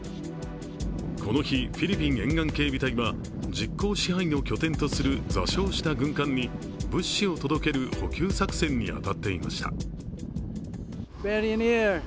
この日、フィリピン沿岸警備隊は実効支配の拠点とする座礁した軍艦に物資を届ける補給作戦に当たっていました。